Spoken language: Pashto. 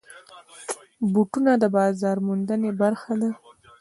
بوټونه د بازار موندنې برخه ده.